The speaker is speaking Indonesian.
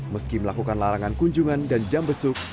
meski melakukan larangan kunjungan dan jam besuk